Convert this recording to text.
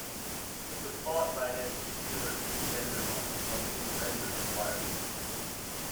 It was bought by an antique dealer in Dendermonde from whom Renders acquired it.